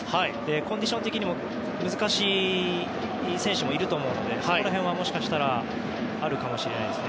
コンディション的にも難しい選手がいると思うのでそこら辺は、もしかしたらあるかもしれないですね。